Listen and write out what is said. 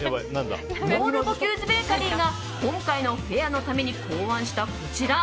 ポール・ボキューズ・ベーカリーが今回のフェアのために考案したこちら。